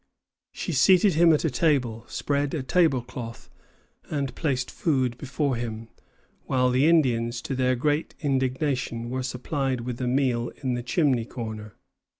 She seated him at a table, spread a table cloth, and placed food before him, while the Indians, to their great indignation, were supplied with a meal in the chimney corner.